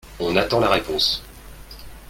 On attend la réponse